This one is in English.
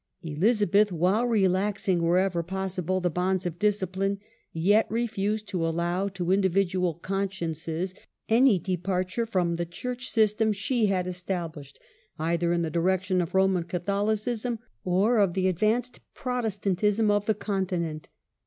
Elizabeth, while relaxing wherever possible the bonds of discipline, yet refused to allow to individual consciences any depar ture from the church system she had established, either in the direction of Roman Catholicism or of the advanced Protestantism of the Continent.